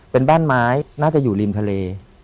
เป็นบ้านไม้น่าจะอยู่ริมทะเล